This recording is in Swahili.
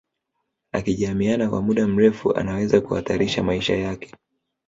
Akijamiiana kwa mda mrefu anaweza kuhatarisha maisha yake